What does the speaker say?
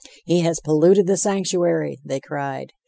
"He has polluted the sanctuary," they cried.